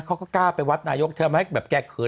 เขาก็กล้าไปวัดนายกเขามาเกลียดคืน